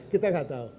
kita nggak tahu